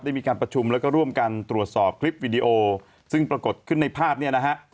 มีการประชุมแล้วก็ร่วมกันตรวจสอบคลิปวิดีโอซึ่งปรากฏขึ้นในภาพเนี่ยนะฮะ